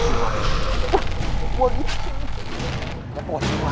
ช่วยจะระควิดป้องอะไรเลยวะ